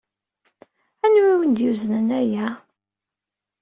Anwa ay awen-d-yuznen aya?